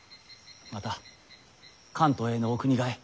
また関東へのお国替え